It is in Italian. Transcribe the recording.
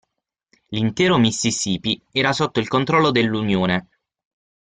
L'intero Mississippi era sotto il controllo dell'Unione.